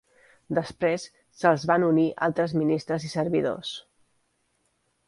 Després se'ls van unir altres ministres i servidors.